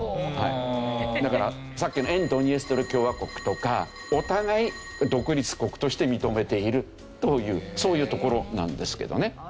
だからさっきの沿ドニエストル共和国とかお互い独立国として認めているというそういう所なんですけどね。